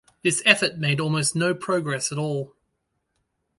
This effort made almost no progress at all.